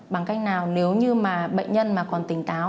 bằng cách nào nếu như bệnh nhân còn tỉnh táo